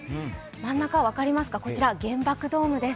真ん中、分かりますか、こちら、原爆ドームです。